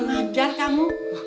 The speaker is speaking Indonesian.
kurang ajar kamu